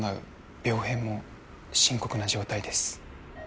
病変も深刻な状態です